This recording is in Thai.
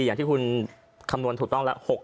อย่างที่คุณคำนวณถูกต้องแล้ว